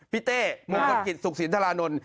พี่เต้มุมกฎกิจสุขศิลป์ธรานนท์